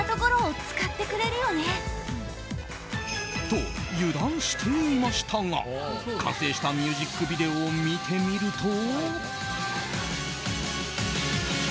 と、油断していましたが完成したミュージックビデオを見てみると。